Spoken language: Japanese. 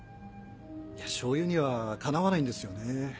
いや醤油にはかなわないんですよね。